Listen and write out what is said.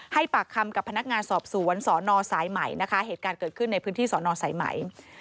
ปากคำกับพนักงานสอบสวนสอนอสายใหม่นะคะเหตุการณ์เกิดขึ้นในพื้นที่สอนอสายไหม